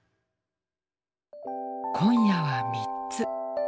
今夜は３つ。